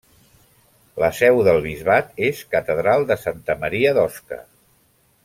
La Seu del bisbat és Catedral de Santa Maria d'Osca.